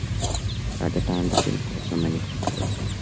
At the time the film caused some controversy.